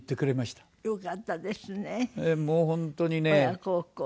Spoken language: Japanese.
親孝行。